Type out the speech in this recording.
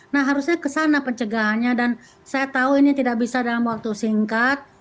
nah harusnya kesana pencegahannya dan saya tahu ini tidak bisa dalam waktu singkat